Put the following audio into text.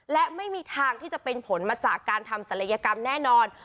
และไม่มีทางที่จะเป็นผลมาจากการทำศัลยกรรมแน่นอน